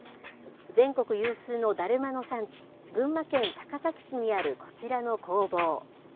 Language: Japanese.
全国有数のだるまの産地、群馬県高崎市にあるこちらの工房。